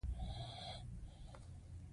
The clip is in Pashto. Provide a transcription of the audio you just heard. انار د خوړو خوږ خوند لري.